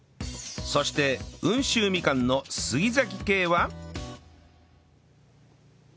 そして温州みかんの杉系は？